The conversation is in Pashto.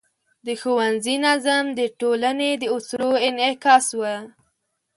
د ښوونځي نظم د ټولنې د اصولو انعکاس و.